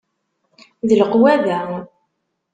D leqwada.